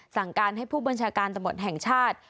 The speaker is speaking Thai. สั่งการให้ผู้บัญชาการตำรวจแห่งชาติ